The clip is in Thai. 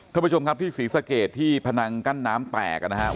ท่านผู้ชมครับที่ศรีสะเกดที่พนังกั้นน้ำแตกนะครับ